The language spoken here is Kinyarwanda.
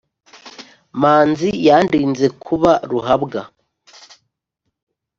Manzi yandinze kuba Ruhabwa